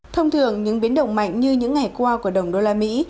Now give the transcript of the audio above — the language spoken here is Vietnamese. thông thường những biến động mạnh như những ngày qua của đồng đô la mỹ